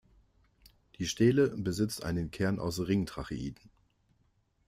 Die Stele besitzt einen Kern aus Ring-Tracheiden.